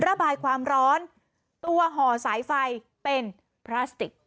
ระบายความร้อนตัวห่อสายไฟเป็นพลาสติก